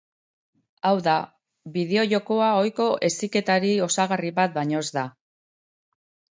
Hau da, bideojokoa ohiko heziketari osagarri bat baino ez da.